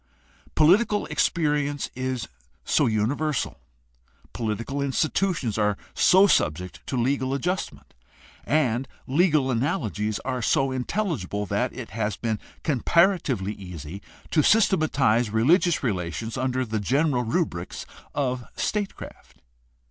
Political experi ence is so universal, political institutions are so subject to legal adjustment, and legal analogies are so intelligible, that it has been comparatively easy to systematize religious relations under the general rubrics of statecraft.